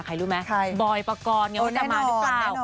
ใครรู้ไหมบอยประกอดแนวน้ำนั้นมาหรือเปล่า